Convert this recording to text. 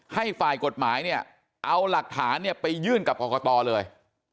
ให้ฝ่ายกฎหมายเนี่ยเอาหลักฐานเนี่ยไปยื่นกับกรกตเลย